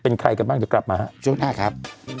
เป็นใครกันบ้างเดี๋ยวกลับมาฮะช่วงหน้าครับ